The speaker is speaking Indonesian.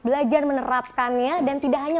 belajar menerapkannya dan tidak hanya